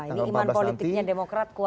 ini iman politiknya demokrat kuat